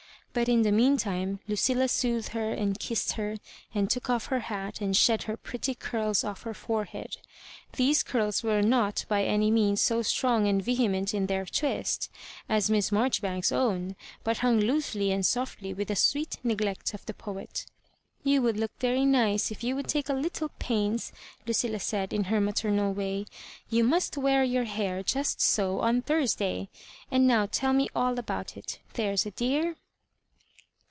But in the meantime Lu cilla soothed her and kissed her, and took off her hat and shed her pretty curls off her fore head. These curls were not by any means so strong and vehement in their twist as Miss Marjoribauks'a own, but hung loosely and softly with the sweet neglect" of Uie poet "You would look very nice if you would take a little paiBs,/* Lucilla said, in her maternal way. " You must wear yjour hair just so on Thursday ; and now tell me all about it — there's a dear."